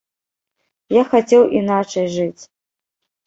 Я хацеў іначай жыць.